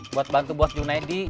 buat bantu bos junedi